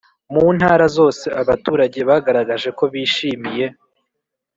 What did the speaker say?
Mu ntara zose abaturage bagaragaje ko bishimiye